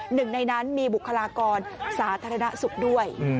หนึ่งในนั้นมีบุคลากรสาธารณสุขด้วย